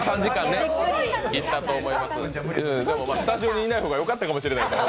でもスタジオにいない方が良かったかもしれないですね。